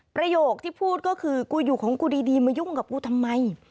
ประโยคที่พูดก็คือกูอยู่ของกูดีมายุ่งกับกูทำไม